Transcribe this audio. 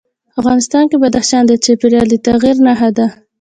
افغانستان کې بدخشان د چاپېریال د تغیر نښه ده.